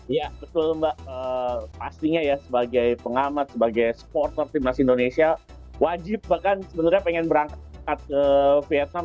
iya betul mbak pastinya ya sebagai pengamat sebagai supporter timnas indonesia wajib bahkan sebenarnya pengen berangkat ke vietnam